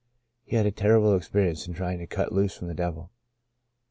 He had a terrible experience in trying to cut loose from the devil.